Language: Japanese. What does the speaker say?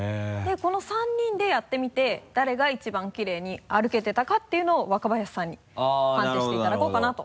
この３人でやってみてだれが１番きれいに歩けてたかていうのを若林さんに判定していただこうかなと。